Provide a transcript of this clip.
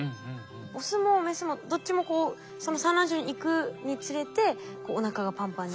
オスもメスもどっちもこうその産卵場に行くにつれておなかがパンパンに？